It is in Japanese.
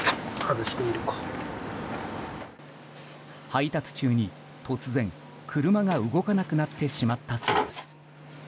配達中に突然、車が動かなくなってしまったそうです。